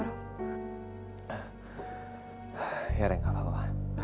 ya ada yang gak apa apa